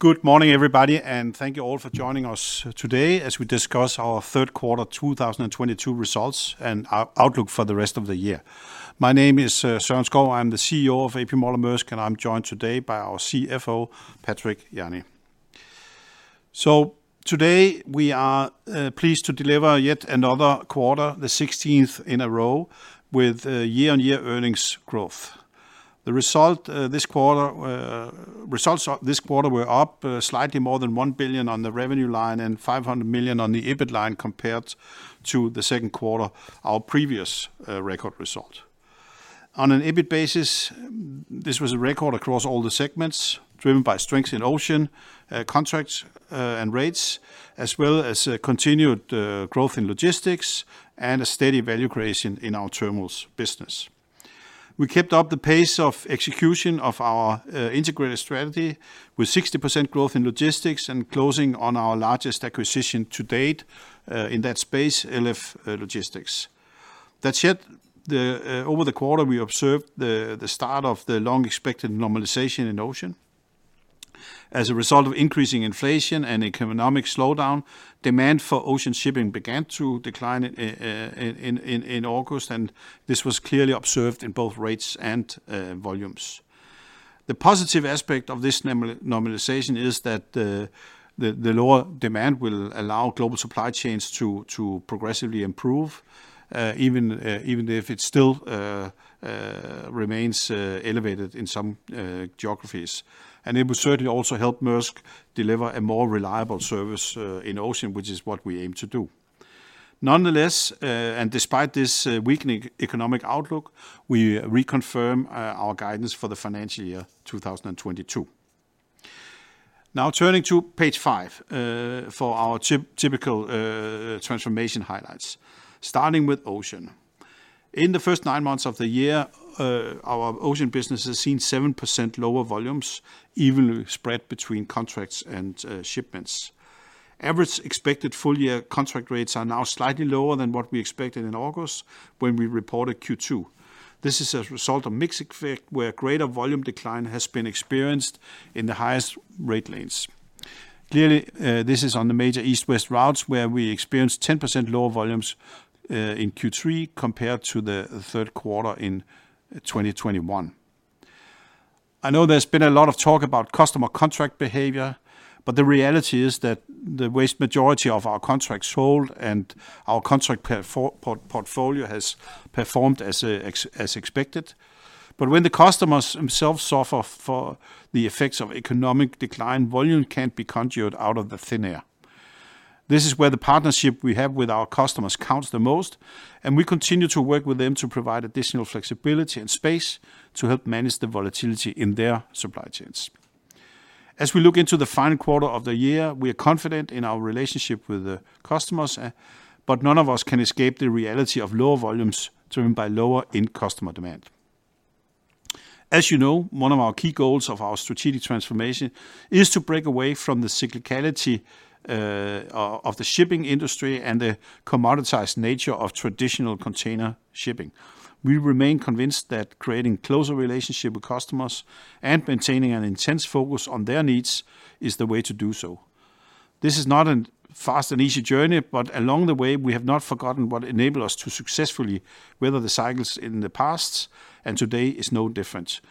Good morning, everybody, and thank you all for joining us today as we discuss our third quarter 2022 results and outlook for the rest of the year. My name is Søren Skou. I'm the CEO of A.P. Moller - Maersk, and I'm joined today by our CFO, Patrick Jany. Today, we are pleased to deliver yet another quarter, the 16th in a row, with year-on-year earnings growth. The results this quarter were up slightly more than $1 billion on the revenue line and $500 million on the EBIT line compared to the second quarter, our previous record result. On an EBIT basis, this was a record across all the segments, driven by strengths in ocean contracts and rates, as well as continued growth in Logistics and a steady value creation in our terminals business. We kept up the pace of execution of our integrated strategy with 60% growth in Logistics and closing on our largest acquisition to date in that space, LF Logistics. That said, over the quarter, we observed the start of the long-expected normalization in ocean. As a result of increasing inflation and economic slowdown, demand for ocean shipping began to decline in August, and this was clearly observed in both rates and volumes. The positive aspect of this normalization is that the lower demand will allow global supply chains to progressively improve, even if it still remains elevated in some geographies. It will certainly also help Maersk deliver a more reliable service in ocean, which is what we aim to do. Nonetheless, and despite this weakening economic outlook, we reconfirm our guidance for the financial year 2022. Now turning to page five for our typical transformation highlights, starting with ocean. In the first nine months of the year, our ocean business has seen 7% lower volumes, evenly spread between contracts and shipments. Average expected full year contract rates are now slightly lower than what we expected in August when we reported Q2. This is as a result of mix effect, where greater volume decline has been experienced in the highest rate lanes. Clearly, this is on the major East-West routes where we experienced 10% lower volumes in Q3 compared to the third quarter in 2021. I know there's been a lot of talk about customer contract behavior, but the reality is that the vast majority of our contracts hold and our contract portfolio has performed as expected. When the customers themselves suffer from the effects of economic decline, volume can't be conjured out of thin air. This is where the partnership we have with our customers counts the most, and we continue to work with them to provide additional flexibility and space to help manage the volatility in their supply chains. As we look into the final quarter of the year, we are confident in our relationship with the customers, but none of us can escape the reality of lower volumes driven by lower end customer demand. As you know, one of our key goals of our strategic transformation is to break away from the cyclicality of the shipping industry and the commoditized nature of traditional container shipping. We remain convinced that creating closer relationship with customers and maintaining an intense focus on their needs is the way to do so. This is not a fast and easy journey, but along the way, we have not forgotten what enabled us to successfully weather the cycles in the past, and today is no different.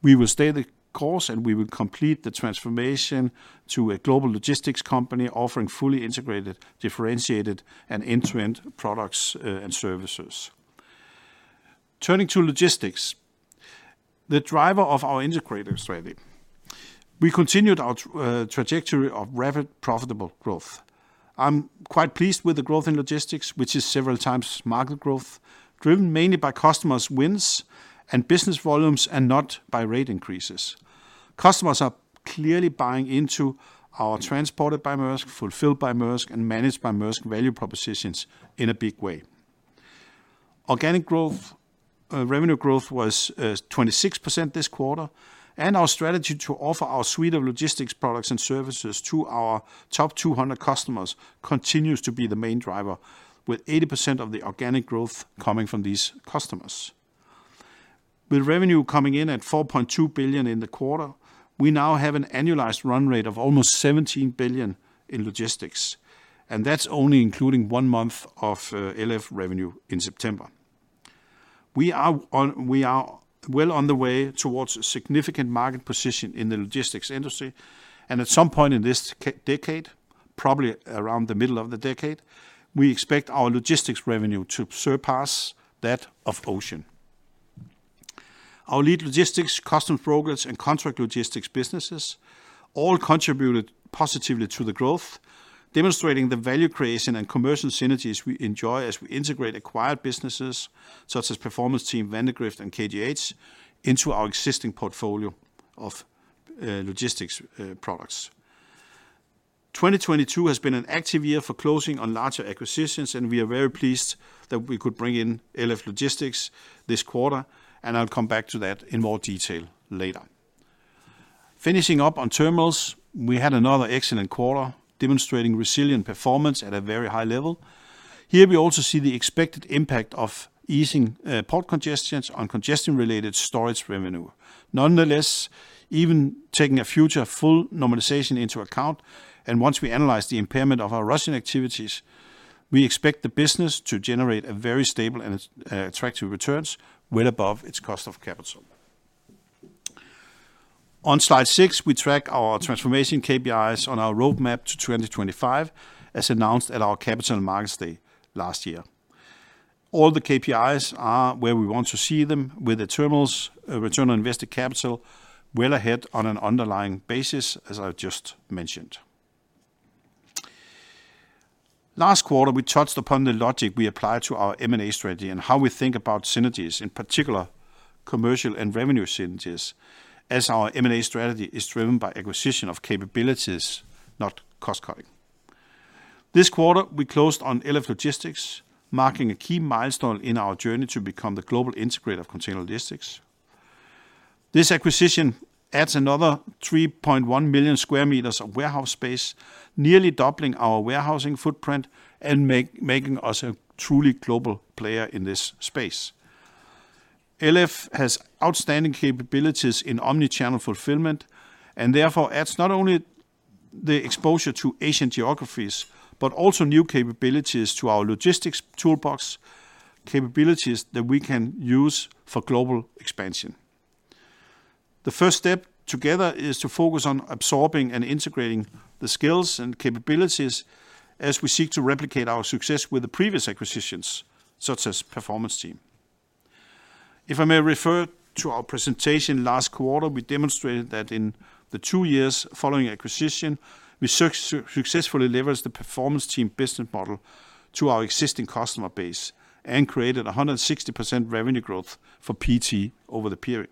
We will stay the course, and we will complete the transformation to a global logistics company offering fully integrated, differentiated, and end-to-end products, and services. Turning to Logistics, the driver of our integrated strategy. We continued our trajectory of rapid profitable growth. I'm quite pleased with the growth in Logistics, which is several times market growth, driven mainly by customers' wins and business volumes and not by rate increases. Customers are clearly buying into our Transported by Maersk, Fulfilled by Maersk, and Managed by Maersk value propositions in a big way. Organic growth revenue growth was 26% this quarter, and our strategy to offer our suite of Logistics products and services to our top 200 customers continues to be the main driver, with 80% of the organic growth coming from these customers. With revenue coming in at $4.2 billion in the quarter, we now have an annualized run rate of almost $17 billion in Logistics, and that's only including one month of LF revenue in September. We are well on the way towards a significant market position in the logistics industry, and at some point in this decade, probably around the middle of the decade, we expect our logistics revenue to surpass that of Ocean. Our lead Logistics, customs brokerage, and contract logistics businesses all contributed positively to the growth, demonstrating the value creation and commercial synergies we enjoy as we integrate acquired businesses such as Performance Team, Vandegrift, and KGH into our existing portfolio of Logistics products. 2022 has been an active year for closing on larger acquisitions, and we are very pleased that we could bring in LF Logistics this quarter, and I'll come back to that in more detail later. Finishing up on terminals, we had another excellent quarter demonstrating resilient performance at a very high level. Here, we also see the expected impact of easing port congestions on congestion-related storage revenue. Nonetheless, even taking a future full normalization into account, and once we analyze the impairment of our Russian activities, we expect the business to generate a very stable and attractive returns well above its cost of capital. On slide six, we track our transformation KPIs on our roadmap to 2025, as announced at our Capital Markets Day last year. All the KPIs are where we want to see them, with the terminals, return on invested capital well ahead on an underlying basis, as I just mentioned. Last quarter, we touched upon the logic we apply to our M&A strategy and how we think about synergies, in particular commercial and revenue synergies, as our M&A strategy is driven by acquisition of capabilities, not cost-cutting. This quarter, we closed on LF Logistics, marking a key milestone in our journey to become the global integrator of container logistics. This acquisition adds another 3.1 million square meters of warehouse space, nearly doubling our warehousing footprint and making us a truly global player in this space. LF has outstanding capabilities in omnichannel fulfillment and therefore adds not only the exposure to Asian geographies, but also new capabilities to our Logistics toolbox, capabilities that we can use for global expansion. The first step together is to focus on absorbing and integrating the skills and capabilities as we seek to replicate our success with the previous acquisitions, such as Performance Team. If I may refer to our presentation last quarter, we demonstrated that in the two years following acquisition, we successfully leveraged the Performance Team business model to our existing customer base and created 160% revenue growth for PT over the period.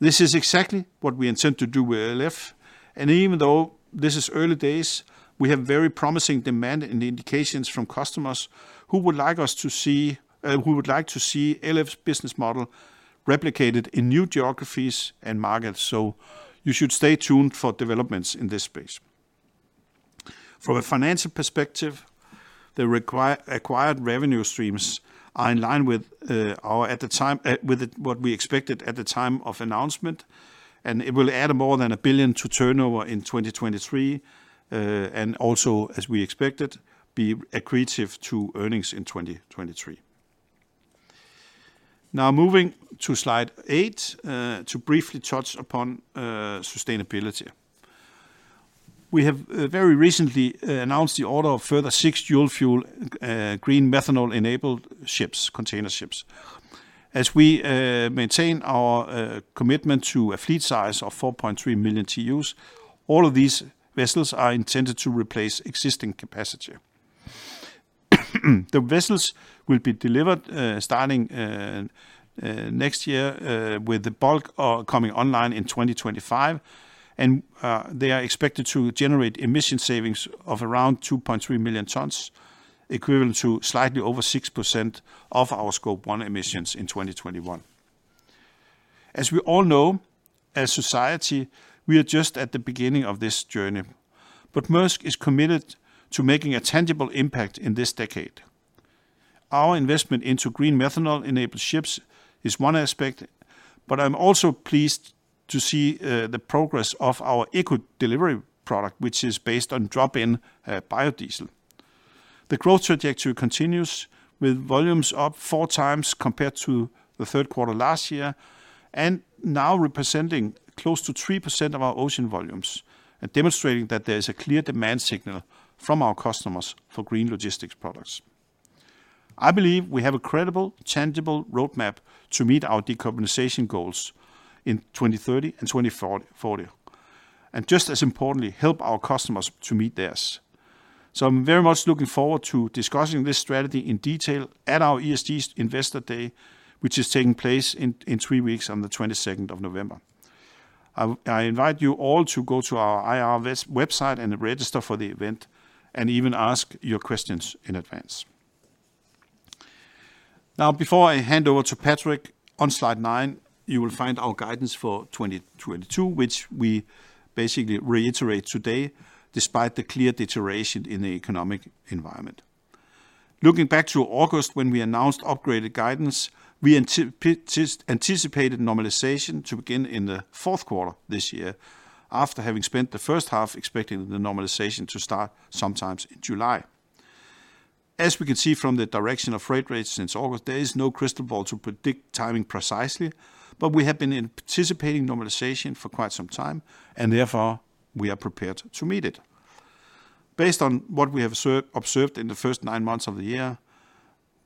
This is exactly what we intend to do with LF. Even though this is early days, we have very promising demand and indications from customers who would like to see LF's business model replicated in new geographies and markets. You should stay tuned for developments in this space. From a financial perspective, the acquired revenue streams are in line with what we expected at the time of announcement, and it will add more than $1 billion to turnover in 2023, and also, as we expected, be accretive to earnings in 2023. Now moving to slide eight, to briefly touch upon sustainability. We have very recently announced the order of further six dual-fuel green methanol-enabled ships, container ships. As we maintain our commitment to a fleet size of 4.3 million TEUs, all of these vessels are intended to replace existing capacity. The vessels will be delivered starting next year, with the bulk coming online in 2025. They are expected to generate emission savings of around 2.3 million tons, equivalent to slightly over 6% of our Scope 1 emissions in 2021. As we all know, as society, we are just at the beginning of this journey. Maersk is committed to making a tangible impact in this decade. Our investment into green methanol-enabled ships is one aspect, but I'm also pleased to see the progress of our ECO Delivery product, which is based on drop-in biodiesel. The growth trajectory continues, with volumes up four times compared to the third quarter last year and now representing close to 3% of our ocean volumes and demonstrating that there is a clear demand signal from our customers for green logistics products. I believe we have a credible, tangible roadmap to meet our decarbonization goals in 2030 and 2040, and just as importantly, help our customers to meet theirs. I'm very much looking forward to discussing this strategy in detail at our ESG Investor Day, which is taking place in three weeks on 22nd of November. I invite you all to go to our IR website and register for the event and even ask your questions in advance. Now, before I hand over to Patrick, on slide nine, you will find our guidance for 2022, which we basically reiterate today despite the clear deterioration in the economic environment. Looking back to August, when we announced upgraded guidance, we anticipated normalization to begin in the fourth quarter this year after having spent the first half expecting the normalization to start some time in July. As we can see from the direction of freight rates since August, there is no crystal ball to predict timing precisely, but we have been anticipating normalization for quite some time and therefore we are prepared to meet it. Based on what we have observed in the first nine months of the year,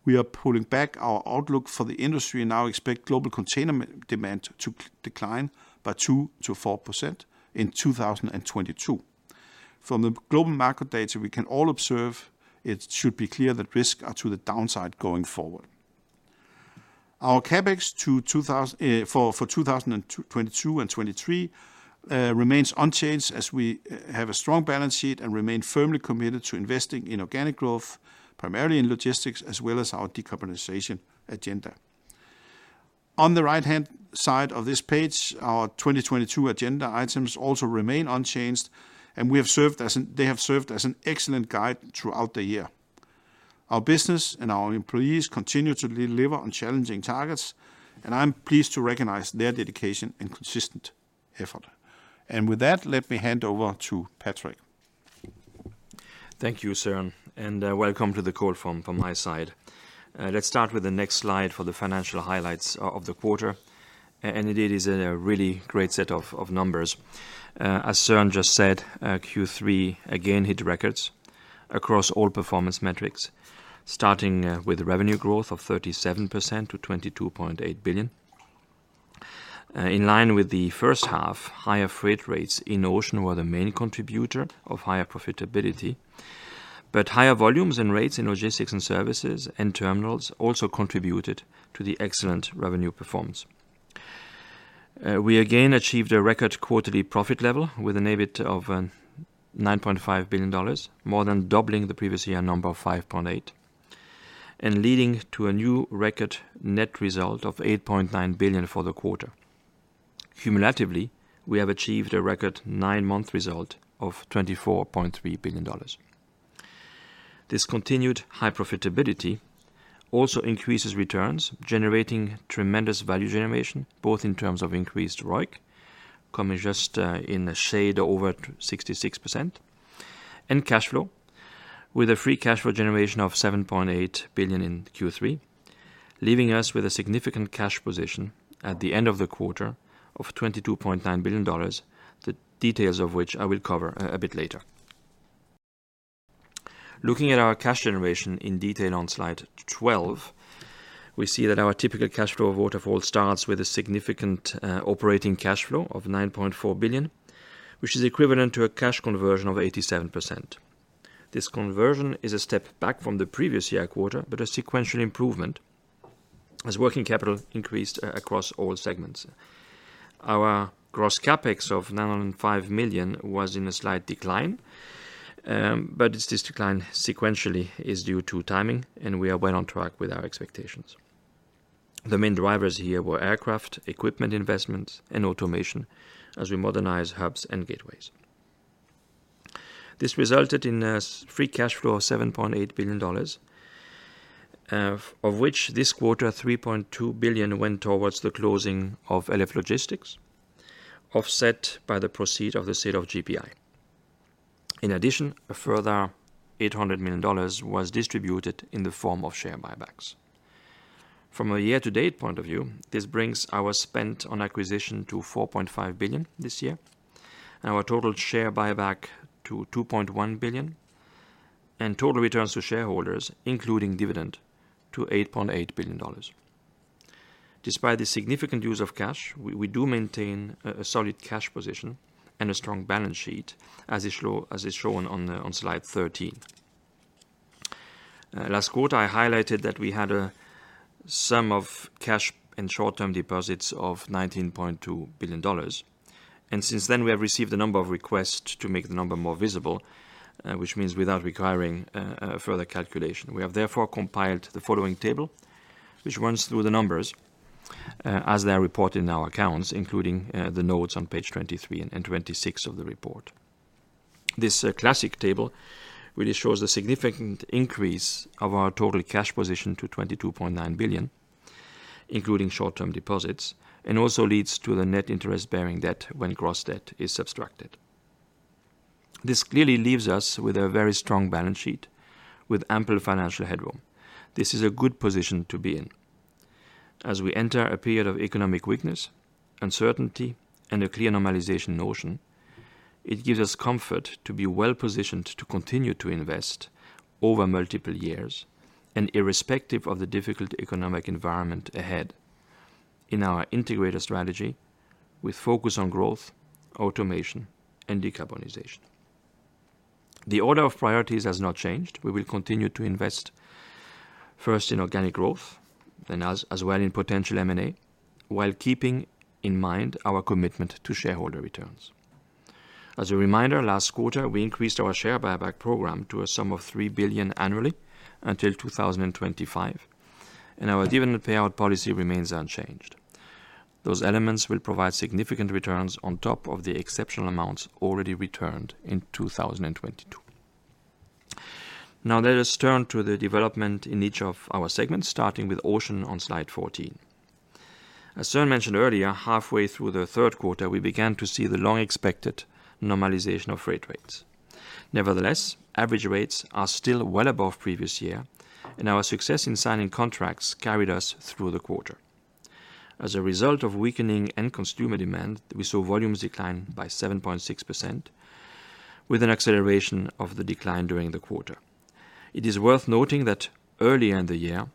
we are pulling back our outlook for the industry and now expect global container demand to decline by 2%-4% in 2022. From the global market data we can all observe, it should be clear that risks are to the downside going forward. Our CapEx to two thous... For 2022 and 2023 remains unchanged as we have a strong balance sheet and remain firmly committed to investing in organic growth, primarily in logistics, as well as our decarbonization agenda. On the right-hand side of this page, our 2022 agenda items also remain unchanged, and they have served as an excellent guide throughout the year. Our business and our employees continue to deliver on challenging targets, and I'm pleased to recognize their dedication and consistent effort. With that, let me hand over to Patrick. Thank you, Søren, and welcome to the call from my side. Let's start with the next slide for the financial highlights of the quarter. It is a really great set of numbers. As Søren just said, Q3 again hit records across all performance metrics, starting with revenue growth of 37% to $22.8 billion. In line with the first half, higher freight rates in ocean were the main contributor of higher profitability, but higher volumes and rates in logistics and services and terminals also contributed to the excellent revenue performance. We again achieved a record quarterly profit level with an EBIT of $9.5 billion, more than doubling the previous year number of $5.8 billion, and leading to a new record net result of $8.9 billion for the quarter. Cumulatively, we have achieved a record nine-month result of $24.3 billion. This continued high profitability also increases returns, generating tremendous value generation, both in terms of increased ROIC, coming just in the shade over 66%, and cash flow, with a free cash flow generation of $7.8 billion in Q3, leaving us with a significant cash position at the end of the quarter of $22.9 billion, the details of which I will cover a bit later. Looking at our cash generation in detail on slide 12, we see that our typical cash flow waterfall starts with a significant operating cash flow of $9.4 billion, which is equivalent to a cash conversion of 87%. This conversion is a step back from the previous year quarter, but a sequential improvement as working capital increased across all segments. Our gross CapEx of $9.5 million was in a slight decline, but it's this decline sequentially is due to timing, and we are well on track with our expectations. The main drivers here were aircraft, equipment investments, and automation as we modernize hubs and gateways. This resulted in a free cash flow of $7.8 billion, of which this quarter $3.2 billion went towards the closing of LF Logistics, offset by the proceeds of the sale of GPI. In addition, a further $800 million was distributed in the form of share buybacks. From a year-to-date point of view, this brings our spend on acquisition to $4.5 billion this year, and our total share buyback to $2.1 billion, and total returns to shareholders, including dividend, to $8.8 billion. Despite the significant use of cash, we do maintain a solid cash position and a strong balance sheet as is shown on slide 13. Last quarter, I highlighted that we had a sum of cash and short-term deposits of $19.2 billion, and since then, we have received a number of requests to make the number more visible, which means without requiring further calculation. We have therefore compiled the following table, which runs through the numbers as they are reported in our accounts, including the notes on page 23 and 26 of the report. This classic table really shows the significant increase of our total cash position to $22.9 billion, including short-term deposits, and also leads to the net interest-bearing debt when gross debt is subtracted. This clearly leaves us with a very strong balance sheet with ample financial headroom. This is a good position to be in. As we enter a period of economic weakness, uncertainty, and a clear normalization notion, it gives us comfort to be well-positioned to continue to invest over multiple years and irrespective of the difficult economic environment ahead in our integrated strategy with focus on growth, automation, and decarbonization. The order of priorities has not changed. We will continue to invest first in organic growth, then as well in potential M&A, while keeping in mind our commitment to shareholder returns. As a reminder, last quarter, we increased our share buyback program to a sum of $3 billion annually until 2025, and our dividend payout policy remains unchanged. Those elements will provide significant returns on top of the exceptional amounts already returned in 2022. Now let us turn to the development in each of our segments, starting with Ocean on slide 14. As Søren mentioned earlier, halfway through the third quarter, we began to see the long-expected normalization of freight rates. Nevertheless, average rates are still well above previous year, and our success in signing contracts carried us through the quarter. As a result of weakening end consumer demand, we saw volumes decline by 7.6%, with an acceleration of the decline during the quarter. It is worth noting that earlier in the year,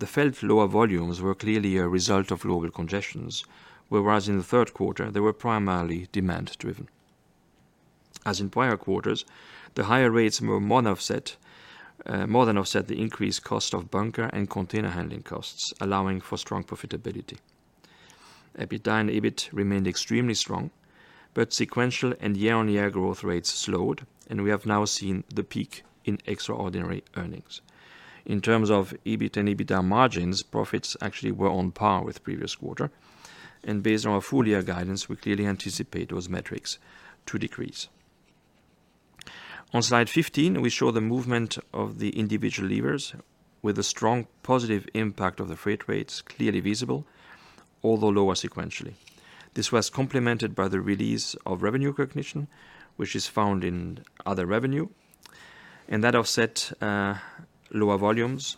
the felt lower volumes were clearly a result of global congestions, whereas in the third quarter, they were primarily demand-driven. As in prior quarters, the higher rates more than offset the increased cost of bunker and container handling costs, allowing for strong profitability. EBITDA and EBIT remained extremely strong, but sequential and year-on-year growth rates slowed, and we have now seen the peak in extraordinary earnings. In terms of EBIT and EBITDA margins, profits actually were on par with previous quarter. Based on our full-year guidance, we clearly anticipate those metrics to decrease. On slide 15, we show the movement of the individual levers with a strong positive impact of the freight rates clearly visible, although lower sequentially. This was complemented by the release of revenue recognition, which is found in other revenue, and that offset lower volumes,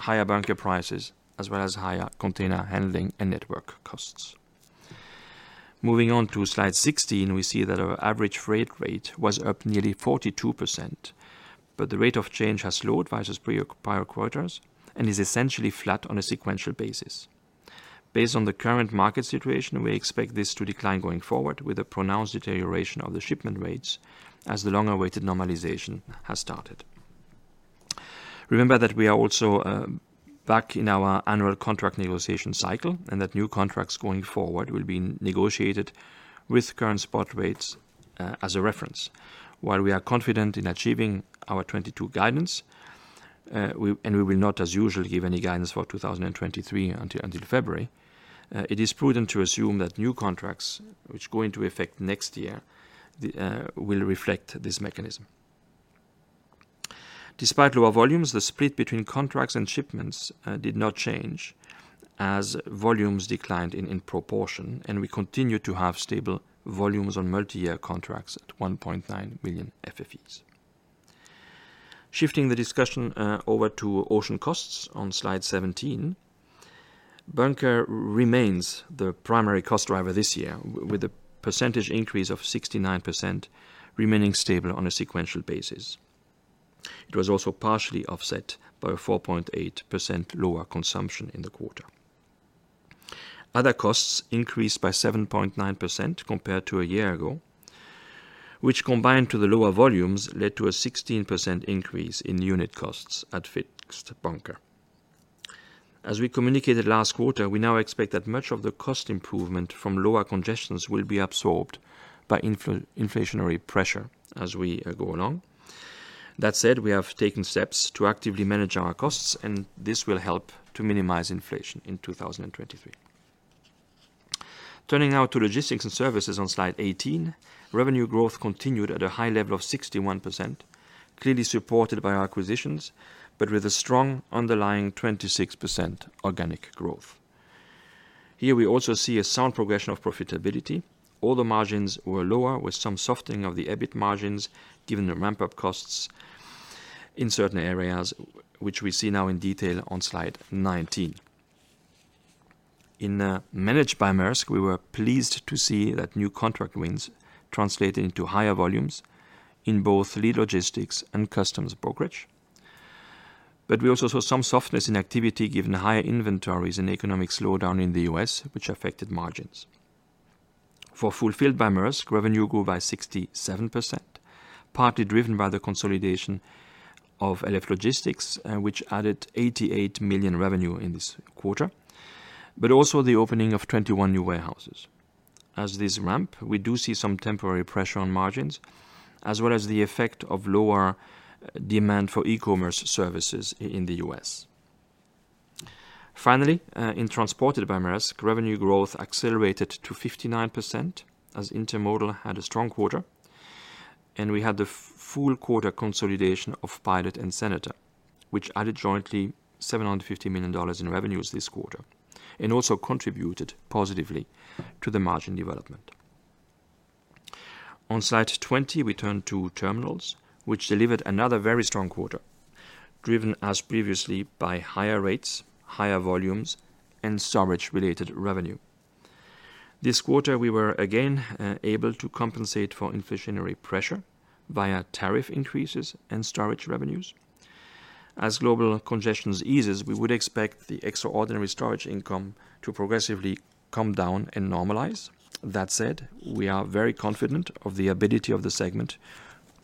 higher bunker prices, as well as higher container handling and network costs. Moving on to slide 16, we see that our average freight rate was up nearly 42%, but the rate of change has slowed versus prior quarters and is essentially flat on a sequential basis. Based on the current market situation, we expect this to decline going forward with a pronounced deterioration of the shipment rates as the long-awaited normalization has started. Remember that we are also back in our annual contract negotiation cycle and that new contracts going forward will be negotiated with current spot rates as a reference. While we are confident in achieving our 2022 guidance, we will not as usual give any guidance for 2023 until February. It is prudent to assume that new contracts which go into effect next year will reflect this mechanism. Despite lower volumes, the split between contracts and shipments did not change as volumes declined in proportion, and we continue to have stable volumes on multi-year contracts at 1.9 million FFEs. Shifting the discussion over to ocean costs on slide 17. Bunker remains the primary cost driver this year, with a 69% increase remaining stable on a sequential basis. It was also partially offset by a 4.8% lower consumption in the quarter. Other costs increased by 7.9% compared to a year ago, which combined to the lower volumes, led to a 16% increase in unit costs at fixed bunker. As we communicated last quarter, we now expect that much of the cost improvement from lower congestions will be absorbed by inflationary pressure as we go along. That said, we have taken steps to actively manage our costs, and this will help to minimize inflation in 2023. Turning now to Logistics & Services on slide 18, revenue growth continued at a high level of 61%, clearly supported by our acquisitions, but with a strong underlying 26% organic growth. Here we also see a sound progression of profitability. All the margins were lower, with some softening of the EBIT margins given the ramp-up costs in certain areas, which we see now in detail on slide 19. In Managed by Maersk, we were pleased to see that new contract wins translated into higher volumes in both lead logistics and customs brokerage. We also saw some softness in activity given higher inventories and economic slowdown in the U.S., which affected margins. For Fulfilled by Maersk, revenue grew by 67%, partly driven by the consolidation of LF Logistics, which added $88 million revenue in this quarter, but also the opening of 21 new warehouses. As these ramp, we do see some temporary pressure on margins, as well as the effect of lower demand for e-commerce services in the U.S. Finally, in Transported by Maersk, revenue growth accelerated to 59% as Intermodal had a strong quarter, and we had the full quarter consolidation of Pilot and Senator, which added jointly $750 million in revenues this quarter, and also contributed positively to the margin development. On slide 20, we turn to terminals, which delivered another very strong quarter, driven as previously by higher rates, higher volumes, and storage-related revenue. This quarter, we were again able to compensate for inflationary pressure via tariff increases and storage revenues. As global congestions eases, we would expect the extraordinary storage income to progressively come down and normalize. That said, we are very confident of the ability of the segment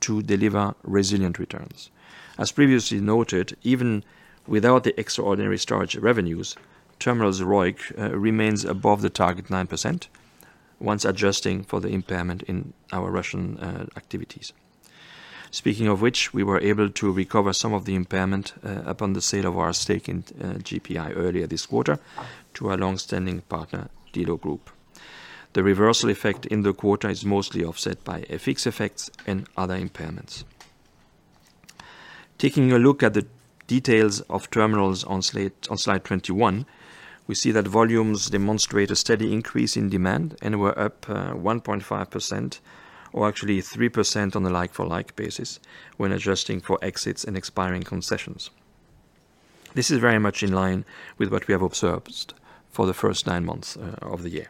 to deliver resilient returns. As previously noted, even without the extraordinary storage revenues, terminals ROIC remains above the target 9% once adjusting for the impairment in our Russian activities. Speaking of which, we were able to recover some of the impairment upon the sale of our stake in GPI earlier this quarter to our long-standing partner, Delo Group. The reversal effect in the quarter is mostly offset by FX effects and other impairments. Taking a look at the details of terminals on slide 21, we see that volumes demonstrate a steady increase in demand and were up 1.5%, or actually 3% on a like for like basis when adjusting for exits and expiring concessions. This is very much in line with what we have observed for the first nine months of the year.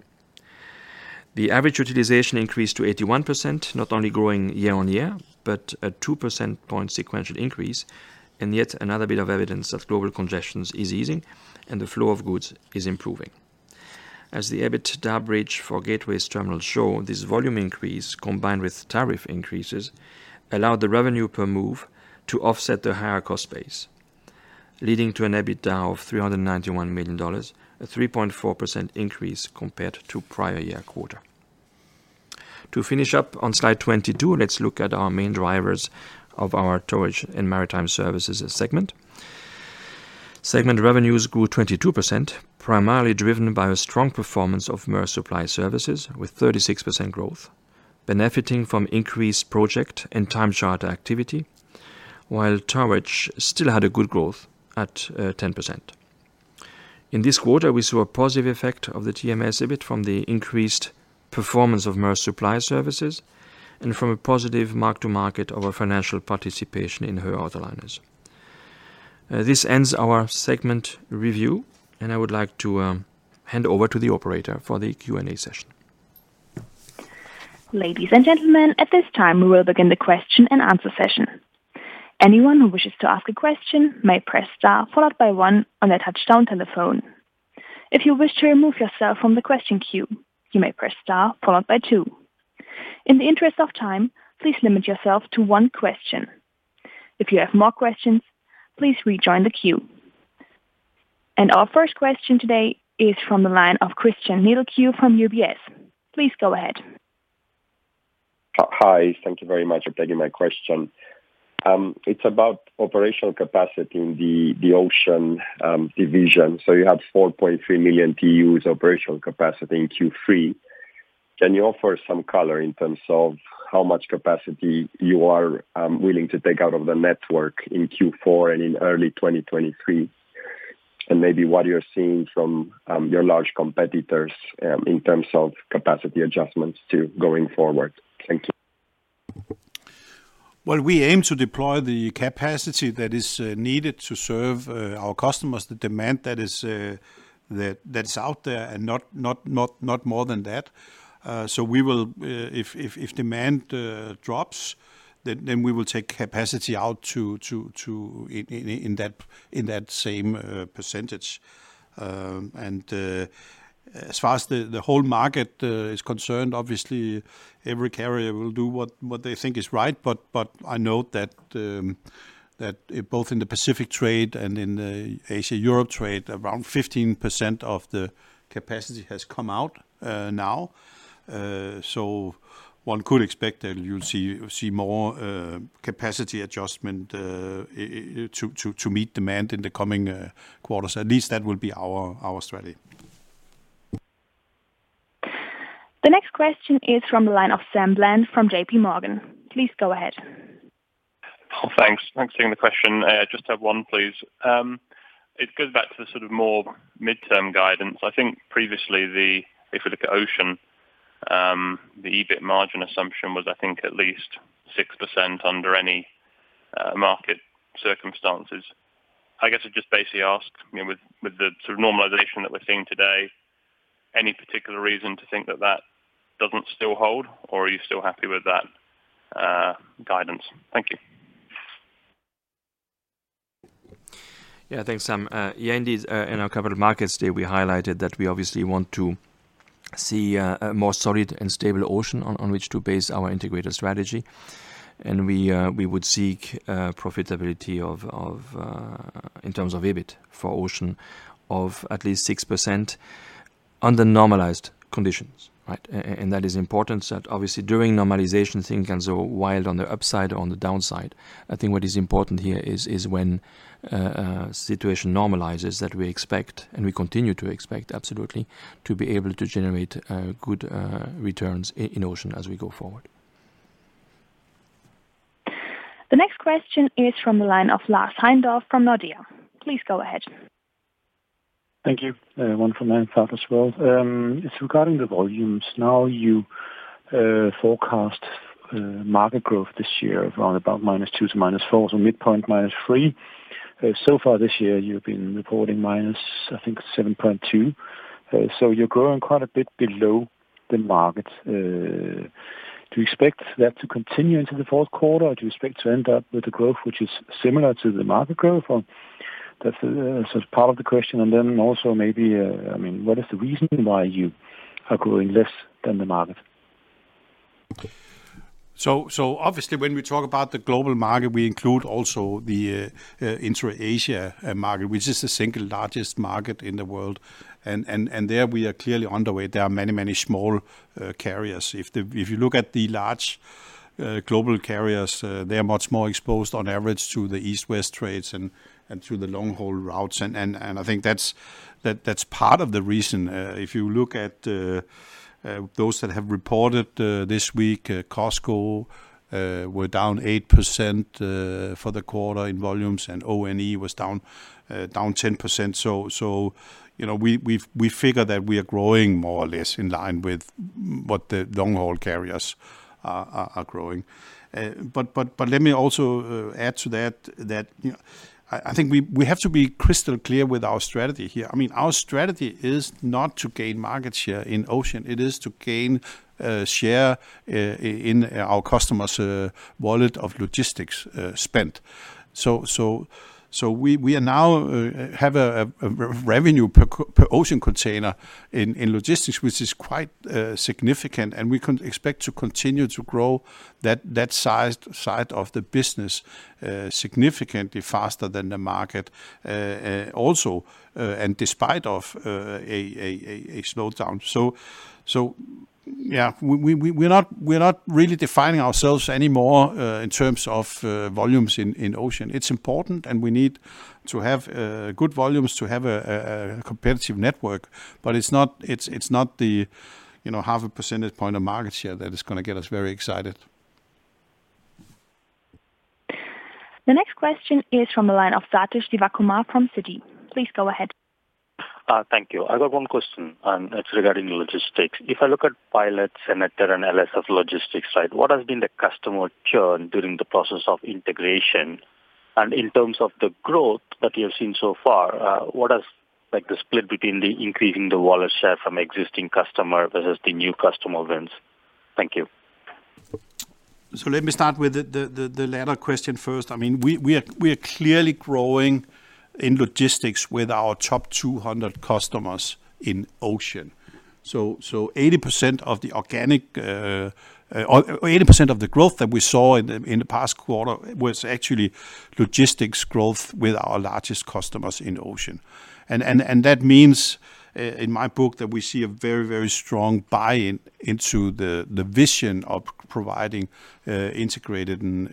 The average utilization increased to 81%, not only growing year-on-year, but a 2 percentage point sequential increase, and yet another bit of evidence that global congestion is easing and the flow of goods is improving. As the EBITDA bridge for Gateway Terminals shows, this volume increase combined with tariff increases allowed the revenue per move to offset the higher cost base, leading to an EBITDA of $391 million, a 3.4% increase compared to prior-year quarter. To finish up on slide 22, let's look at our main drivers of our Towage & Maritime Services segment. Segment revenues grew 22%, primarily driven by a strong performance of Maersk Supply Services with 36% growth, benefiting from increased project and time charter activity. While towage still had a good growth at 10%. In this quarter, we saw a positive effect of the TMS EBITDA from the increased performance of Maersk Supply Service and from a positive mark to market of our financial participation in Höegh Autoliners. This ends our segment review, and I would like to hand over to the operator for the Q&A session. Ladies and gentlemen, at this time, we will begin the question and answer session. Anyone who wishes to ask a question may press star followed by one on their touch-tone telephone. If you wish to remove yourself from the question queue, you may press star followed by two. In the interest of time, please limit yourself to one question. If you have more questions, please rejoin the queue. Our first question today is from the line of Cristian Nedelcu from UBS. Please go ahead. Hi. Thank you very much for taking my question. It's about operational capacity in the ocean division. You have 4.3 million TEUs operational capacity in Q3. Can you offer some color in terms of how much capacity you are willing to take out of the network in Q4 and in early 2023? And maybe what you're seeing from your large competitors in terms of capacity adjustments going forward. Thank you. Well, we aim to deploy the capacity that is needed to serve our customers, the demand that is out there and not more than that. We will, if demand drops, then we will take capacity out in that same percentage. As far as the whole market is concerned, obviously every carrier will do what they think is right, but I know that both in the Pacific trade and in Asia-Europe trade, around 15% of the capacity has come out now. One could expect that you'll see more capacity adjustment to meet demand in the coming quarters. At least that will be our strategy. The next question is from the line of Sam Bland from JPMorgan. Please go ahead. Thanks for taking the question. Just have one, please. It goes back to the sort of more midterm guidance. I think previously, if we look at Ocean, the EBIT margin assumption was, I think at least 6% under any market circumstances. I guess I'd just basically ask, you know, with the sort of normalization that we're seeing today, any particular reason to think that doesn't still hold, or are you still happy with that guidance? Thank you. Yeah, thanks, Sam. In our Capital Markets Day, we highlighted that we obviously want to see a more solid and stable Ocean on which to base our integrated strategy. We would seek profitability of in terms of EBIT for Ocean of at least 6% under normalized conditions, right? That is important. Obviously, during normalization, things can go wild on the upside, on the downside. I think what is important here is when situation normalizes that we expect, and we continue to expect absolutely, to be able to generate good returns in Ocean as we go forward. The next question is from the line of Lars Heindorff from Nordea. Please go ahead. Thank you. One from my end as well. It's regarding the volumes. Now, you forecast market growth this year of around about -2% to -4%, so midpoint -3%. So far this year, you've been reporting minus, I think, -7.2%. You're growing quite a bit below the market. Do you expect that to continue into the fourth quarter, or do you expect to end up with a growth which is similar to the market growth? Or that's sort of part of the question. Then also maybe, I mean, what is the reason why you are growing less than the market? Obviously when we talk about the global market, we include also the intra-Asia market, which is the single largest market in the world. There we are clearly underway. There are many small carriers. If you look at the large global carriers, they are much more exposed on average to the East-West trades and through the long-haul routes. I think that's part of the reason. If you look at those that have reported this week, COSCO were down 8% for the quarter in volumes, and ONE was down 10%. You know, we figure that we are growing more or less in line with what the long-haul carriers are growing. Let me also add to that you know, I think we have to be crystal clear with our strategy here. I mean, our strategy is not to gain market share in Ocean, it is to gain share in our customers' wallet of logistics spent. We now have a revenue per Ocean container in Logistics, which is quite significant, and we can expect to continue to grow that sized side of the business significantly faster than the market, also and despite a slowdown. Yeah, we are not really defining ourselves anymore in terms of volumes in Ocean.It's important, and we need to have good volumes to have a competitive network. It's not the, you know, 0.5 percentage point of market share that is gonna get us very excited. The next question is from the line of Sathish Sivakumar from Citi. Please go ahead. Thank you. I got one question, and it's regarding Logistics. If I look at Pilot's and A.P. Moller's and L&S's logistics side, what has been the customer churn during the process of integration? In terms of the growth that you have seen so far, what is like the split between the increase in the wallet share from existing customer versus the new customer wins? Thank you. Let me start with the latter question first. I mean, we are clearly growing in Logistics with our top 200 customers in Ocean. 80% of the growth that we saw in the past quarter was actually Logistics growth with our largest customers in Ocean. That means in my book that we see a very strong buy-in into the vision of providing integrated and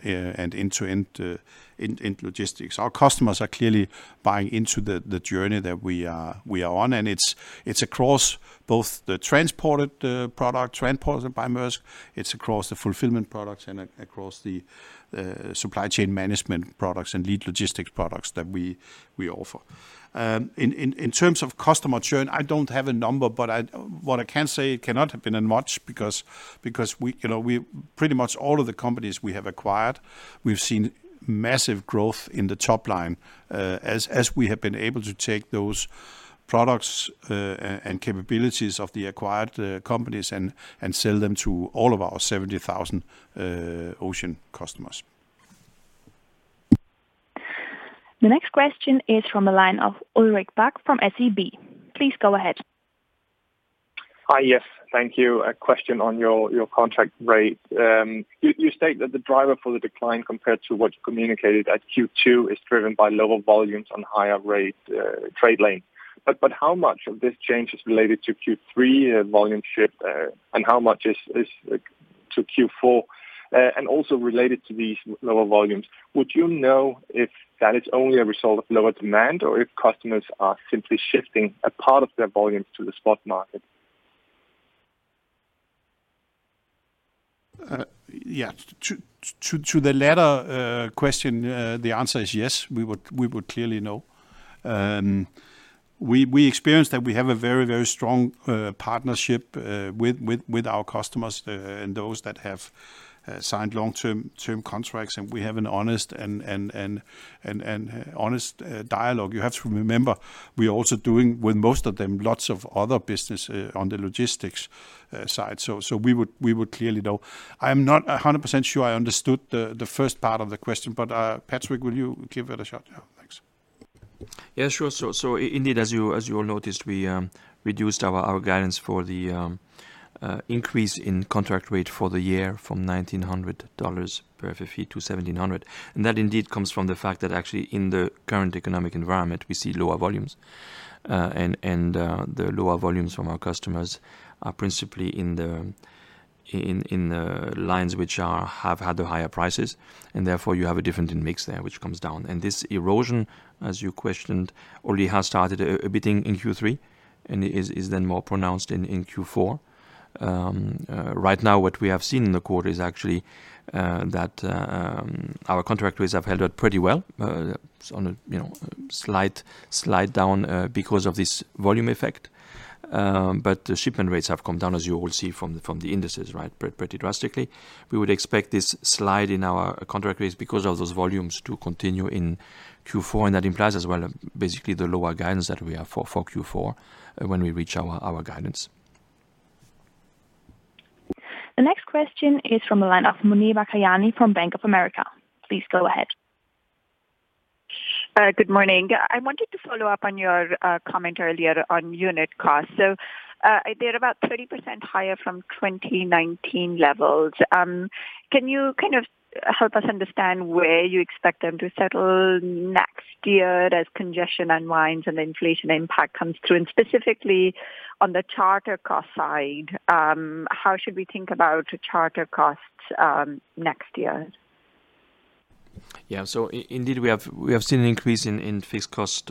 end-to-end Logistics. Our customers are clearly buying into the journey that we are on, and it's across both the Transported by Maersk product. It's across the Fulfilled by Maersk products and across the Managed by Maersk products that we offer. In terms of customer churn, I don't have a number. What I can say, it cannot have been that much because we, you know, we pretty much all of the companies we have acquired, we've seen massive growth in the top line, as we have been able to take those products and capabilities of the acquired companies and sell them to all of our 70,000 Ocean customers. The next question is from the line of Ulrik Bak from SEB. Please go ahead. Hi. Yes, thank you. A question on your contract rate. You state that the driver for the decline compared to what you communicated at Q2 is driven by lower volumes on higher rate trade lane. How much of this change is related to Q3 volume shift, and how much is to Q4? And also related to these lower volumes, would you know if that is only a result of lower demand or if customers are simply shifting a part of their volumes to the spot market? Yeah. To the latter question, the answer is yes. We would clearly know. We experience that we have a very strong partnership with our customers and those that have signed long-term contracts, and we have an honest dialogue. You have to remember, we are also doing with most of them lots of other business on the logistics side. We would clearly know. I'm not 100% sure I understood the first part of the question, but Patrick, will you give it a shot? Yeah, thanks. Yeah, sure. Indeed, as you all noticed, we reduced our guidance for the increase in contract rate for the year from $1,900 per FFE to $1,700. That indeed comes from the fact that actually in the current economic environment, we see lower volumes. The lower volumes from our customers are principally in the lines which have had the higher prices, and therefore you have a different mix there, which comes down. This erosion, as you questioned, already has started a bit in Q3 and is then more pronounced in Q4. Right now what we have seen in the quarter is actually that our contract rates have held up pretty well on a you know slight down because of this volume effect. The shipment rates have come down, as you will see from the indices, right? Pretty drastically. We would expect this slide in our contract rates because of those volumes to continue in Q4, and that implies as well basically the lower guidance that we have for Q4 when we reach our guidance. The next question is from the line of Muneeba Kayani from Bank of America. Please go ahead. Good morning. I wanted to follow up on your comment earlier on unit costs. They're about 30% higher from 2019 levels. Can you kind of help us understand where you expect them to settle next year as congestion unwinds and the inflation impact comes through? Specifically on the charter cost side, how should we think about charter costs next year? Yeah. Indeed, we have seen an increase in fixed cost.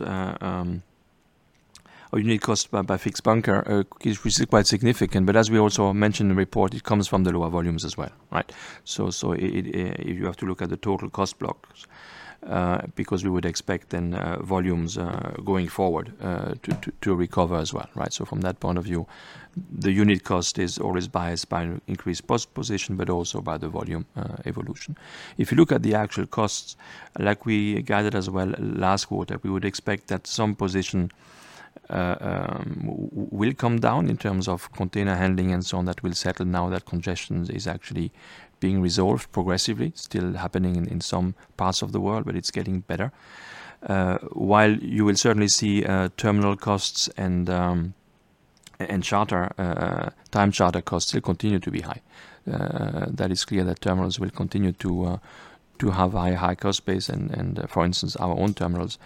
Our unit cost by fixed bunker is quite significant, but as we also mentioned in the report, it comes from the lower volumes as well. Right? If you have to look at the total cost blocks, because we would expect then volumes going forward to recover as well, right? From that point of view, the unit cost is always biased by increased port position, but also by the volume evolution. If you look at the actual costs, like we guided as well last quarter, we would expect that some positions will come down in terms of container handling and so on, that will settle now that congestion is actually being resolved progressively. Still happening in some parts of the world, but it's getting better. While you will certainly see terminal costs and charter time charter costs will continue to be high. That is clear that terminals will continue to have a high cost base and for instance, our own terminals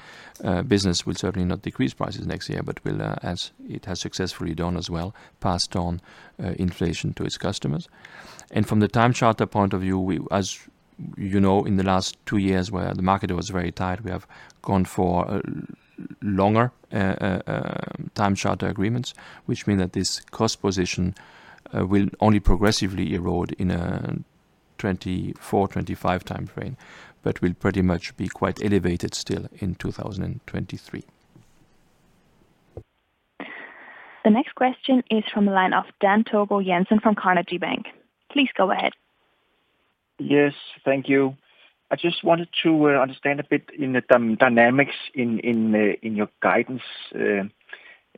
business will certainly not decrease prices next year, but will, as it has successfully done as well, pass on inflation to its customers. From the time charter point of view, we as you know in the last two years where the market was very tight, we have gone for longer time charter agreements, which mean that this cost position will only progressively erode in a 2024-2025 timeframe, but will pretty much be quite elevated still in 2023. The next question is from the line of Dan Togo Jensen from Carnegie Investment Bank. Please go ahead. Yes, thank you. I just wanted to understand a bit in the dynamics in your guidance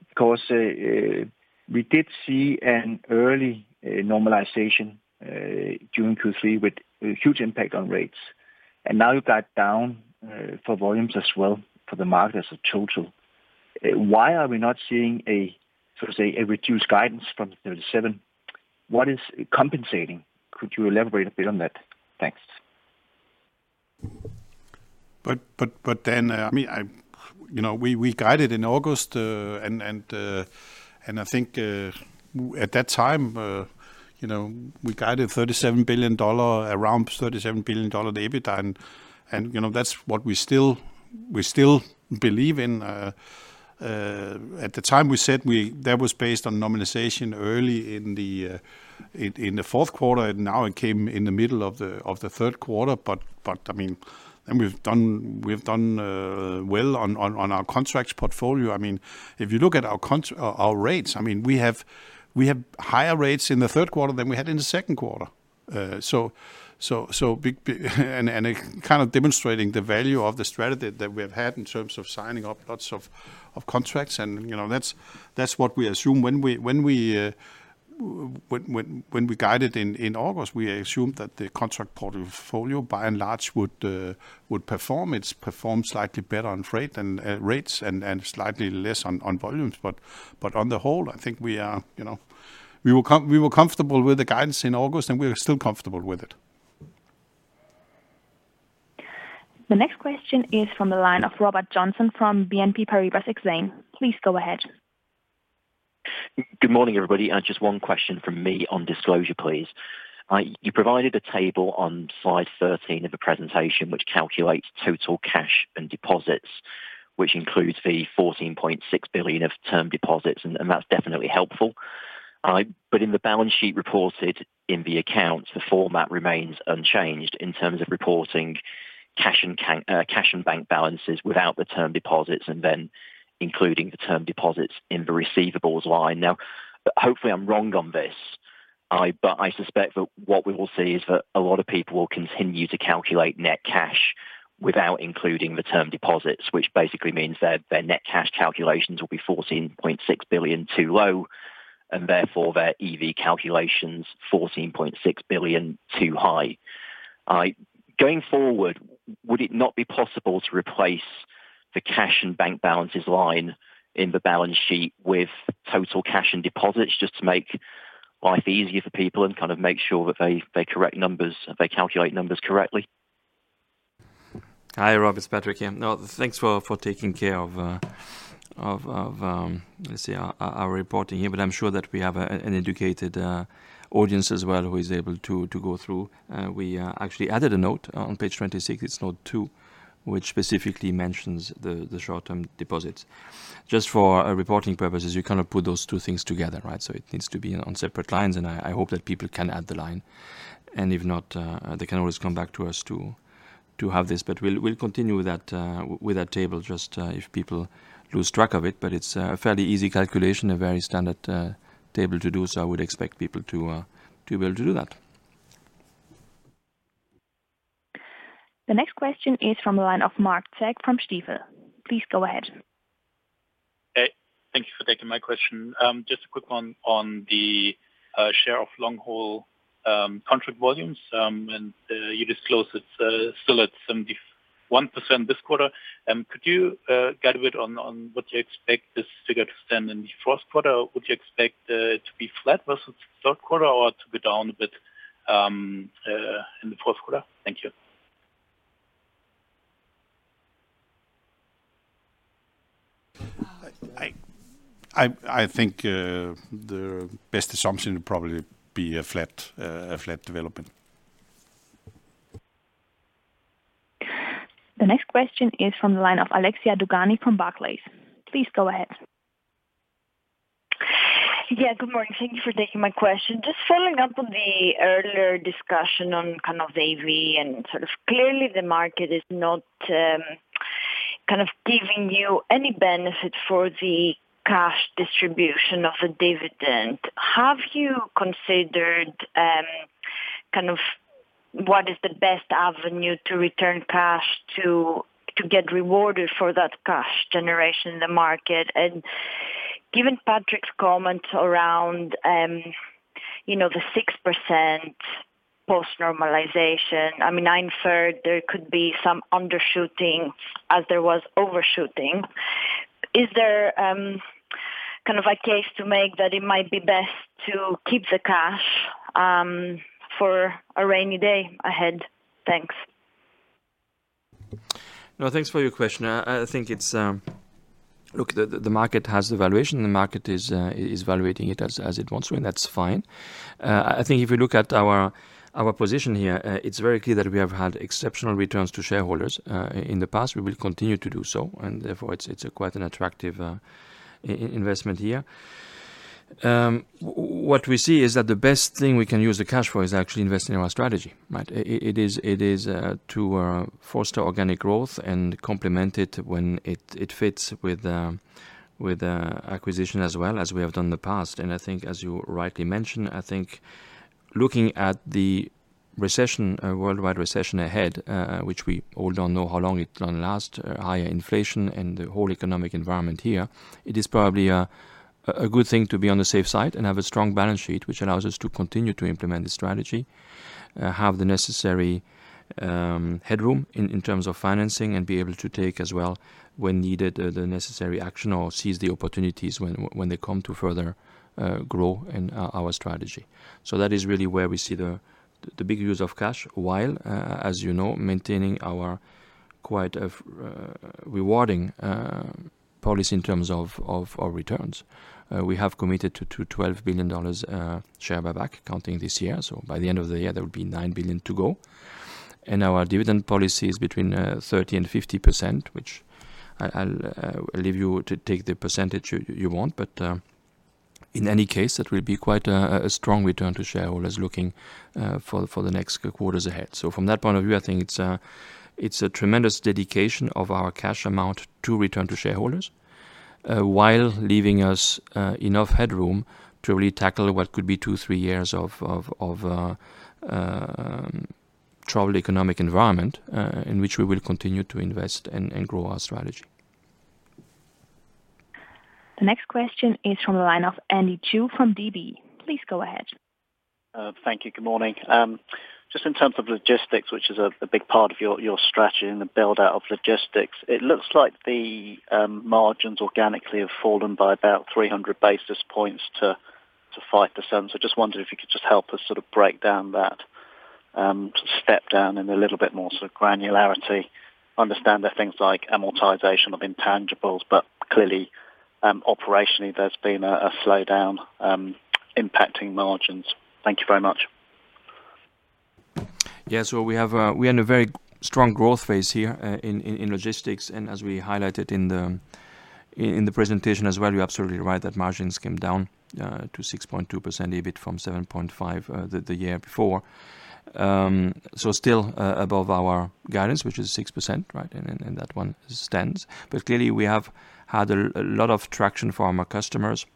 because we did see an early normalization during Q3 with a huge impact on rates. Now you got down for volumes as well for the market as a total. Why are we not seeing, say, a reduced guidance from $37 billion? What is compensating? Could you elaborate a bit on that? Thanks. We guided in August, and I think at that time, you know, we guided $37 billion, around $37 billion EBITDA, and you know, that's what we still believe in. At the time, that was based on normalization early in the fourth quarter, and now it came in the middle of the third quarter. I mean, we've done well on our contracts portfolio. I mean, if you look at our rates, we have higher rates in the third quarter than we had in the second quarter. It kind of demonstrating the value of the strategy that we have had in terms of signing up lots of contracts and, you know, that's what we assume. When we guided in August, we assumed that the contract portfolio by and large would perform. It's performed slightly better on freight than rates and slightly less on volumes. On the whole, I think we were comfortable with the guidance in August, and we are still comfortable with it. The next question is from the line of Robert Joynson from BNP Paribas Exane. Please go ahead. Good morning, everybody. Just one question from me on disclosure, please. You provided a table on slide 13 of the presentation which calculates total cash and deposits, which includes the $14.6 billion of term deposits, and that's definitely helpful. But in the balance sheet reported in the accounts, the format remains unchanged in terms of reporting cash and cash and bank balances without the term deposits, and then including the term deposits in the receivables line. Now, hopefully I'm wrong on this. But I suspect that what we will see is that a lot of people will continue to calculate net cash without including the term deposits, which basically means their net cash calculations will be $14.6 billion too low, and therefore their EV calculations $14.6 billion too high. Going forward, would it not be possible to replace the cash and bank balances line in the balance sheet with total cash and deposits just to make life easier for people and kind of make sure that they calculate numbers correctly? Hi, Robert, it's Patrick here. Thanks for taking care of our reporting here, but I'm sure that we have an educated audience as well who is able to go through. We actually added a note on page 26. It's note two, which specifically mentions the short-term deposits. Just for reporting purposes, we kind of put those two things together, right? It needs to be on separate lines, and I hope that people can add the line, and if not, they can always come back to us to have this. We'll continue with that table just if people lose track of it. It's a fairly easy calculation, a very standard table to do, so I would expect people to be able to do that. The next question is from the line of Marc Zeck from Stifel. Please go ahead. Hey, thank you for taking my question. Just a quick one on the share of long-haul contract volumes. You disclosed it's still at 71% this quarter. Could you guide a bit on what you expect this figure to stand in the fourth quarter? Would you expect to be flat versus third quarter or to be down a bit in the fourth quarter? Thank you. I think the best assumption would probably be a flat development. The next question is from the line of Alexia Dogani from Barclays. Please go ahead. Yeah, good morning. Thank you for taking my question. Just following up on the earlier discussion on kind of M&A and sort of. Clearly, the market is not kind of giving you any benefit for the cash distribution of the dividend. Have you considered kind of what is the best avenue to return cash to get rewarded for that cash generation in the market? Given Patrick Jany's comment around you know, the 6% post-normalization, I mean, I inferred there could be some undershooting as there was overshooting. Is there kind of a case to make that it might be best to keep the cash for a rainy day ahead? Thanks. No, thanks for your question. I think it's. Look, the market has the valuation. The market is valuating it as it wants to, and that's fine. I think if you look at our position here, it's very clear that we have had exceptional returns to shareholders in the past. We will continue to do so, and therefore it's a quite an attractive investment here. What we see is that the best thing we can use the cash for is actually investing in our strategy, right? It is to foster organic growth and complement it when it fits with acquisition as well as we have done in the past. I think as you rightly mentioned, I think looking at the recession, worldwide recession ahead, which we all don't know how long it's gonna last, higher inflation and the whole economic environment here, it is probably a good thing to be on the safe side and have a strong balance sheet, which allows us to continue to implement the strategy, have the necessary headroom in terms of financing, and be able to take as well when needed the necessary action or seize the opportunities when they come to further grow in our strategy. That is really where we see the big use of cash, while as you know, maintaining our quite rewarding policy in terms of our returns. We have committed to $12 billion share buyback counting this year. By the end of the year, there will be $9 billion to go. Our dividend policy is between 30% and 50%, which I'll leave you to take the percentage you want. In any case, it will be quite a strong return to shareholders looking for the next quarters ahead. From that point of view, I think it's a tremendous dedication of our cash amount to return to shareholders while leaving us enough headroom to really tackle what could be two, three years of troubled economic environment in which we will continue to invest and grow our strategy. The next question is from the line of Andy Chu from DB. Please go ahead. Thank you. Good morning. Just in terms of logistics, which is a big part of your strategy and the build-out of logistics, it looks like the margins organically have fallen by about 300 basis points to 5%. Just wondered if you could just help us sort of break down that step down in a little bit more sort of granularity. Understand there are things like amortization of intangibles, but clearly, operationally there's been a slowdown impacting margins. Thank you very much. Yeah. We are in a very strong growth phase here in Logistics. As we highlighted in the presentation as well, you're absolutely right, that margins came down to 6.2% EBIT from 7.5% the year before. Still above our guidance, which is 6%, right? That one stands. Clearly we have had a lot of traction from our customers.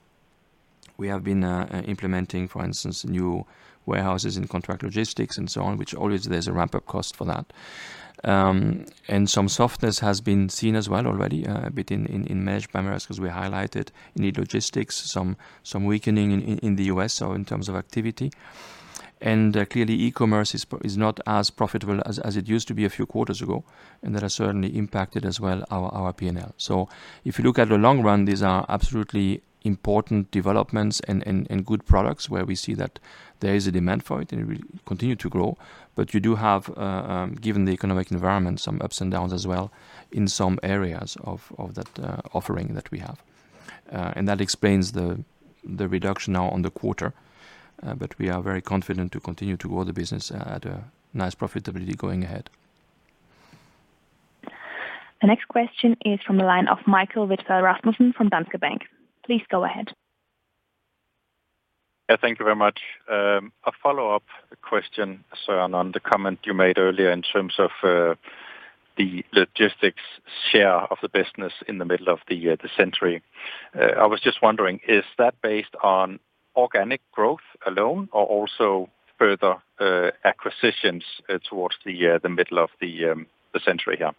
We have been implementing, for instance, new warehouses and contract logistics and so on, which always there's a ramp-up cost for that. Some softness has been seen as well already a bit in emerging markets 'cause we highlighted new logistics, some weakening in the U.S. in terms of activity. Clearly e-commerce is not as profitable as it used to be a few quarters ago, and that has certainly impacted as well our P&L. If you look at the long run, these are absolutely important developments and good products where we see that there is a demand for it, and it will continue to grow. You do have, given the economic environment, some ups and downs as well in some areas of that offering that we have. That explains the reduction now on the quarter. We are very confident to continue to grow the business at a nice profitability going ahead. The next question is from the line of Michael Vitfell-Rasmussen from Danske Bank. Please go ahead. Yeah, thank you very much. A follow-up question, Søren, on the comment you made earlier in terms of the logistics share of the business in the middle of the century. I was just wondering, is that based on organic growth alone or also further acquisitions towards the middle of the century here?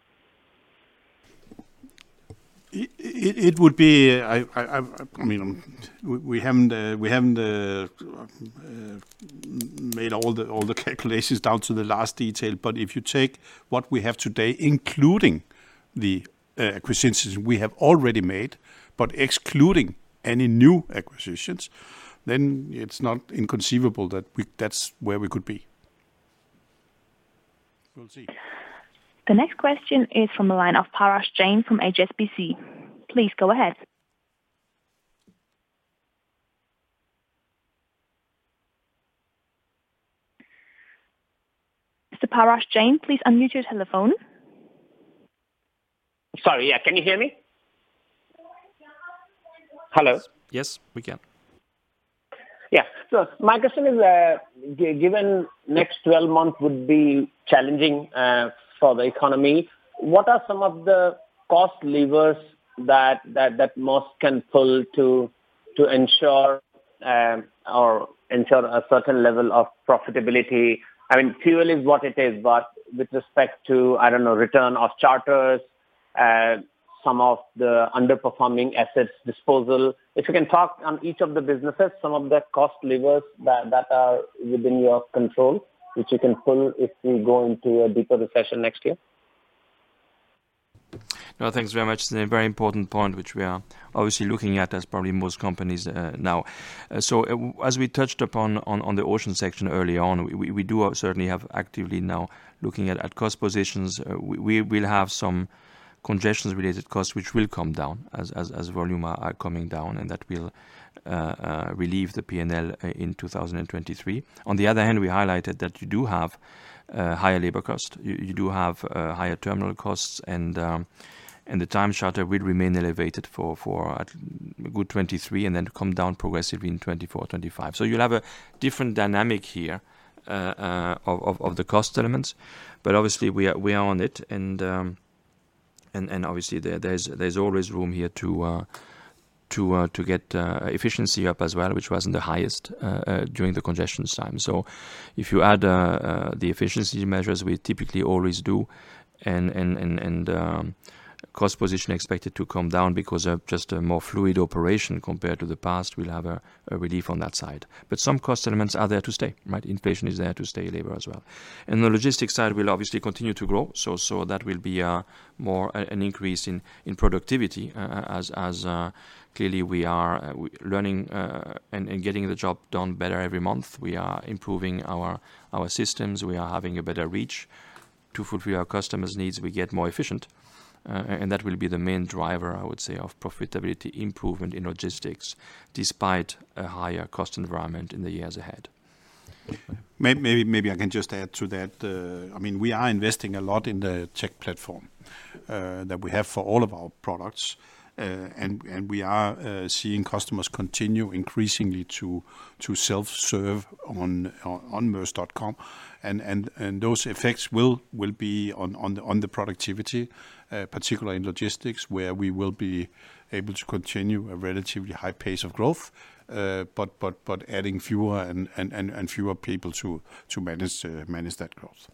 It would be. I mean, we haven't made all the calculations down to the last detail. If you take what we have today, including the acquisitions we have already made, but excluding any new acquisitions, then it's not inconceivable that that's where we could be. We'll see. The next question is from the line of Parash Jain from HSBC. Please go ahead. Mr. Parash Jain, please unmute your telephone. Sorry. Yeah, can you hear me? Hello. Yes. Yes, we can. My question is, given next 12 months would be challenging for the economy, what are some of the cost levers that Maersk can pull to ensure a certain level of profitability? I mean, fuel is what it is, but with respect to, I don't know, return of charters, some of the underperforming assets disposal. If you can talk on each of the businesses, some of the cost levers that are within your control, which you can pull if we go into a deeper recession next year. No, thanks very much. It's a very important point which we are obviously looking at as probably most companies now. As we touched upon on the ocean section early on, we do certainly have actively now looking at cost positions. We will have some congestions related costs which will come down as volumes are coming down, and that will relieve the P&L in 2023. On the other hand, we highlighted that you do have higher labor cost. You do have higher terminal costs and the time charter will remain elevated for a good 2023 and then come down progressively in 2024, 2025. You'll have a different dynamic here of the cost elements. Obviously we are on it. Obviously there's always room here to get efficiency up as well, which wasn't the highest during the congestions time. If you add the efficiency measures we typically always do and cost position expected to come down because of just a more fluid operation compared to the past, we'll have a relief on that side. Some cost elements are there to stay, right? Inflation is there to stay, labor as well. The logistics side will obviously continue to grow. That will be more an increase in productivity as clearly we are learning and getting the job done better every month. We are improving our systems. We are having a better reach. To fulfill our customers' needs, we get more efficient, and that will be the main driver, I would say, of profitability improvement in logistics despite a higher cost environment in the years ahead. Maybe I can just add to that. I mean, we are investing a lot in the tech platform that we have for all of our products. We are seeing customers continue increasingly to self-serve on maersk.com. Those effects will be on the productivity, particularly in logistics where we will be able to continue a relatively high pace of growth. Adding fewer and fewer people to manage that growth.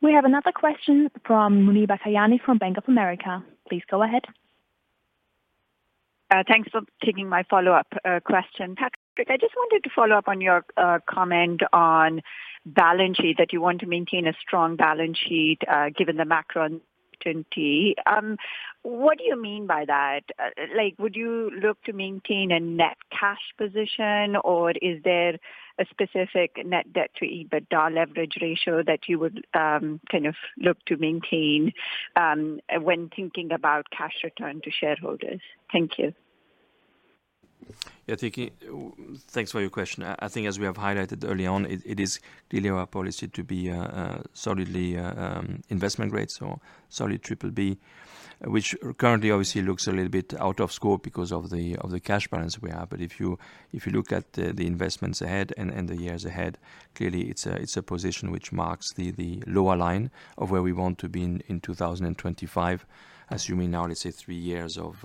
We have another question from Muneeba Kayani from Bank of America. Please go ahead. Thanks for taking my follow-up question. Patrick, I just wanted to follow up on your comment on balance sheet, that you want to maintain a strong balance sheet, given the macro uncertainty. What do you mean by that? Like, would you look to maintain a net cash position, or is there a specific net debt to EBITDA leverage ratio that you would kind of look to maintain, when thinking about cash return to shareholders? Thank you. Yeah, thank you. Thanks for your question. I think as we have highlighted early on, it is really our policy to be solidly investment-grade, so solid BBB, which currently obviously looks a little bit out of scope because of the cash balance we have. But if you look at the investments ahead and the years ahead, clearly it's a position which marks the lower line of where we want to be in 2025, assuming now, let's say three years of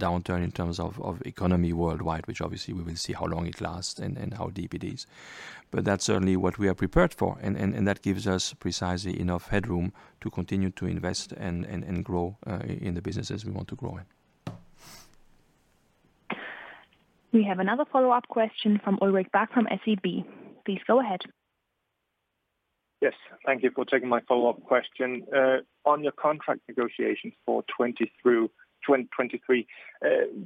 downturn in terms of economy worldwide, which obviously we will see how long it lasts and how deep it is. That's certainly what we are prepared for, and that gives us precisely enough headroom to continue to invest and grow in the businesses we want to grow in. We have another follow-up question from Ulrik Bak from SEB. Please go ahead. Yes. Thank you for taking my follow-up question. On your contract negotiations for 2020 through 2023,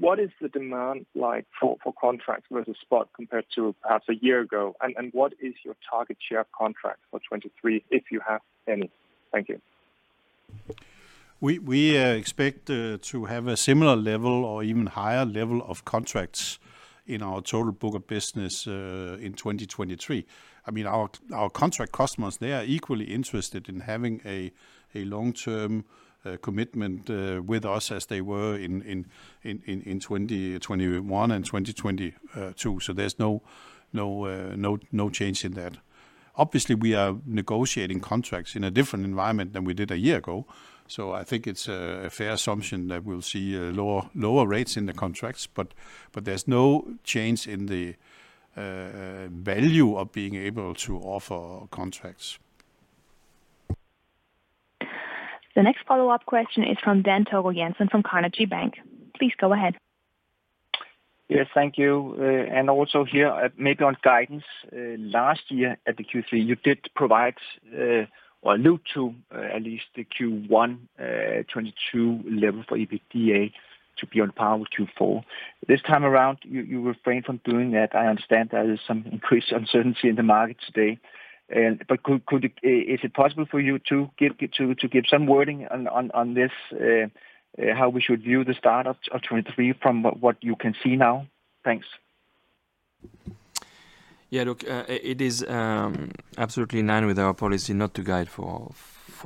what is the demand like for contracts versus spot compared to perhaps a year ago? What is your target share contract for 2023, if you have any? Thank you. We expect to have a similar level or even higher level of contracts in our total book of business in 2023. I mean, our contract customers, they are equally interested in having a long-term commitment with us as they were in 2021 and 2022. There's no change in that. Obviously, we are negotiating contracts in a different environment than we did a year ago. I think it's a fair assumption that we'll see lower rates in the contracts, but there's no change in the value of being able to offer contracts. The next follow-up question is from Dan Togo Jensen from Carnegie Bank. Please go ahead. Yes, thank you. Also here, maybe on guidance. Last year at the Q3, you did provide, or allude to, at least the Q1, 2022 level for EBITDA to be on par with Q4. This time around, you refrained from doing that. I understand there is some increased uncertainty in the market today. Is it possible for you to give some wording on this, how we should view the start of 2023 from what you can see now? Thanks. Yeah. Look, it is absolutely in line with our policy not to guide for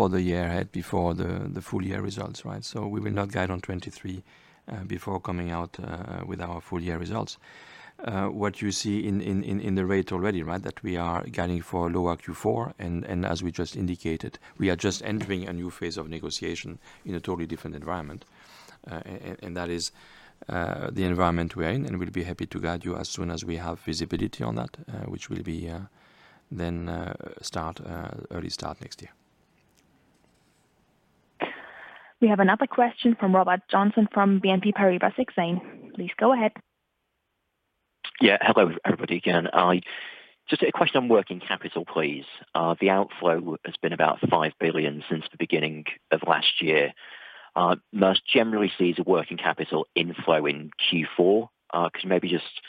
the year ahead before the full year results, right? We will not guide on 2023 before coming out with our full year results. What you see in the rate already, right? That we are guiding for lower Q4. As we just indicated, we are just entering a new phase of negotiation in a totally different environment. That is the environment we're in, and we'll be happy to guide you as soon as we have visibility on that, which will be early next year. We have another question from Robert Joynson from BNP Paribas Exane. Please go ahead. Yeah. Hello everybody again. Just a question on working capital, please. The outflow has been about $5 billion since the beginning of last year. Maersk generally sees a working capital inflow in Q4. Could you maybe just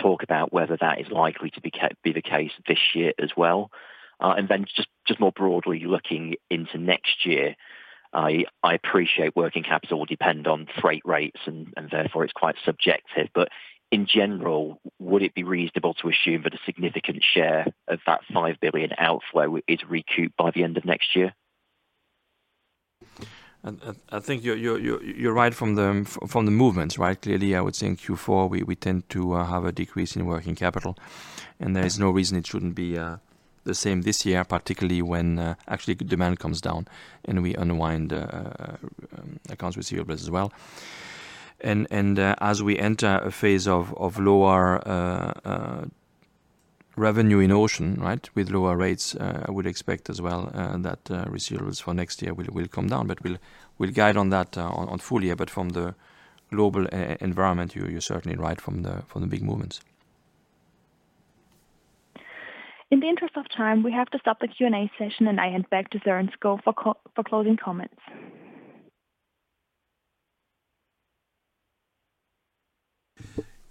talk about whether that is likely to be the case this year as well? And then just more broadly, looking into next year, I appreciate working capital will depend on freight rates and therefore it's quite subjective. In general, would it be reasonable to assume that a significant share of that $5 billion outflow is recouped by the end of next year? I think you're right from the movements, right? Clearly, I would say in Q4 we tend to have a decrease in working capital, and there is no reason it shouldn't be the same this year, particularly when actually demand comes down and we unwind accounts receivable as well. As we enter a phase of lower revenue in ocean, right, with lower rates, I would expect as well that receivables for next year will come down. We'll guide on that on full-year. From the global environment, you're certainly right from the big movements. In the interest of time, we have to stop the Q&A session and hand back to Søren Skou for closing comments.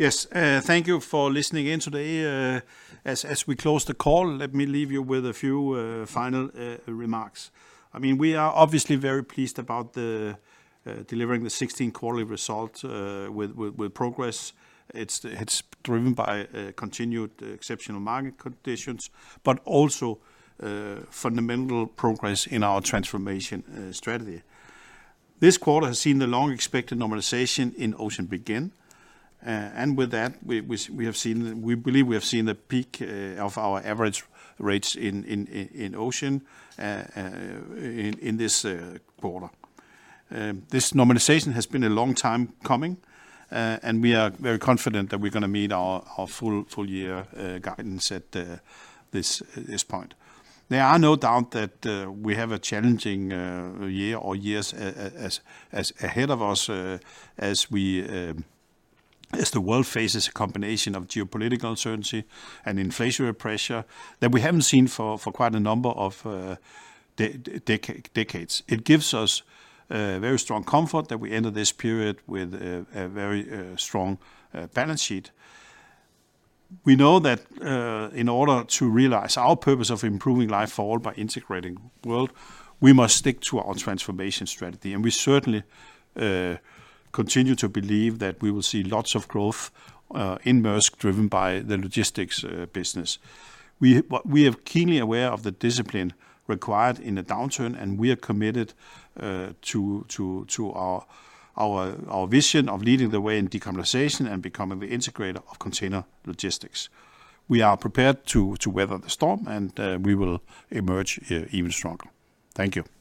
Yes. Thank you for listening in today. As we close the call, let me leave you with a few final remarks. I mean, we are obviously very pleased about delivering the 16 quarterly results with progress. It's driven by continued exceptional market conditions, but also fundamental progress in our transformation strategy. This quarter has seen the long expected normalization in ocean begin. With that, we believe we have seen the peak of our average rates in ocean in this quarter. This normalization has been a long time coming, and we are very confident that we're gonna meet our full year guidance at this point. There is no doubt that we have a challenging year or years ahead of us as the world faces a combination of geopolitical uncertainty and inflationary pressure that we haven't seen for quite a number of decades. It gives us very strong comfort that we enter this period with a very strong balance sheet. We know that in order to realize our purpose of improving life for all by integrating world, we must stick to our transformation strategy. We certainly continue to believe that we will see lots of growth in Maersk, driven by the logistics business. We are keenly aware of the discipline required in a downturn, and we are committed to our vision of leading the way in decarbonization and becoming the integrator of container logistics. We are prepared to weather the storm, and we will emerge even stronger. Thank you.